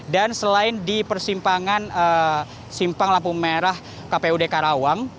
dan selain di persimpangan simpang lampu merah kpud karawang